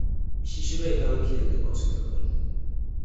শিশুরা এভাবে খেলতে পছন্দ করে।